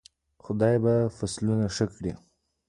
خدای به فصلونه ښه کړي.